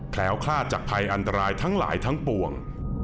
ล้วคลาดจากภัยอันตรายทั้งหลายทั้งปวง